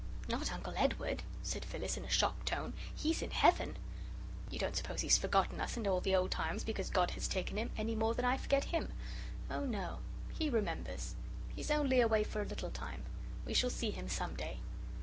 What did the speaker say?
"Not Uncle Edward," said Phyllis, in a shocked tone; "he's in Heaven." "You don't suppose he's forgotten us and all the old times, because God has taken him, any more than I forget him. Oh, no, he remembers. He's only away for a little time. We shall see him some day."